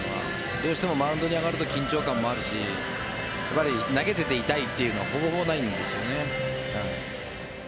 どうしてもマウンドに上がると緊張感もあるし投げていて痛いというのはほぼほぼないんですよね。